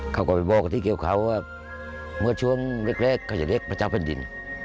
เขาก็ไปบอกกับที่เกี่ยวเขาว่าเมื่อช่วงแรกเขาจะเรียกพระเจ้าแผ่นดิน